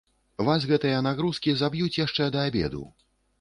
Вас гэтыя нагрузкі заб'юць яшчэ да абеду.